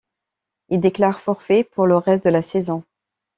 Il déclare forfait pour le reste de la saison.